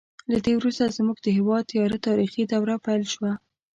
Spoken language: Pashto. له دې وروسته زموږ د هېواد تیاره تاریخي دوره پیل شوه.